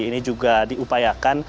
ini juga diupayakan